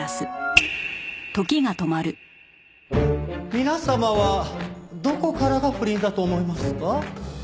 皆様はどこからが不倫だと思いますか？